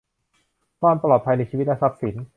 ความปลอดภัยในชีวิตและทรัพย์สิน